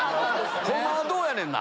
ホンマはどうやねんな？